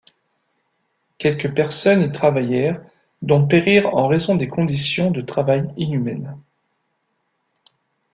Quelque personnes y travaillèrent dont périrent en raison des conditions de travail inhumaines.